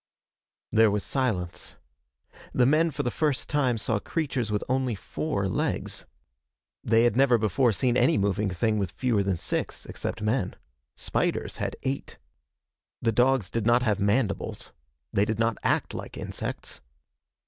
There was silence. The men for the first time saw creatures with only four legs. They had never before seen any moving thing with fewer than six except men. Spiders had eight. The dogs did not have mandibles. They did not act like insects.